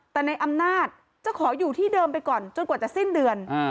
แต่ในอำนาจจะขออยู่ที่เดิมไปก่อนจนกว่าจะสิ้นเดือน